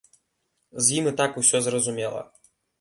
З ім і так усё зразумела.